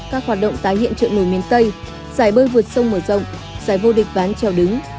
các hoạt động tái hiện trợ nổi miền tây giải bơi vượt sông mở rộng giải vô địch ván trèo đứng